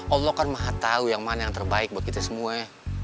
allah kan maha tahu yang mana yang terbaik buat kita semua